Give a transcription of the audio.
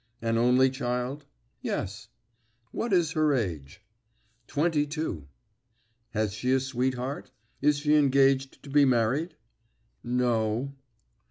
"An only child?" "Yes." "What is her age?" "Twenty two." "Has she a sweetheart? Is she engaged to be married?" "No."